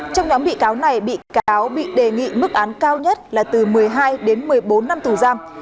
trong nhóm bị cáo này bị cáo bị đề nghị mức án cao nhất là từ một mươi hai đến một mươi bốn năm tù giam